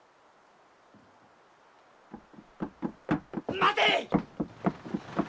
待て！